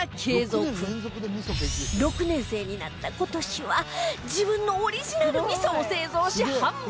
６年生になった今年は自分のオリジナル味噌を製造し販売